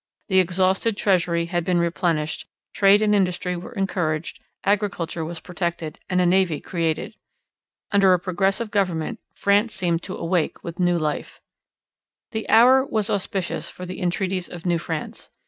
The exhausted treasury had been replenished, trade and industry were encouraged, agriculture was protected, and a navy created. Under a progressive government France seemed to awake to new life. The hour was auspicious for the entreaties of New France.